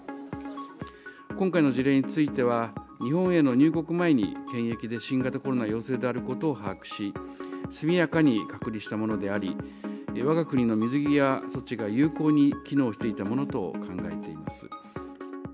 今回の事例については、日本への入国前に検疫で新型コロナ陽性であることを把握し、速やかに隔離したものであり、わが国の水際措置が有効に機能していたものと考えています。